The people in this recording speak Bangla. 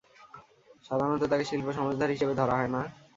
সাধারণত তাকে শিল্প সমঝদার হিসেবে ধরা হয় না।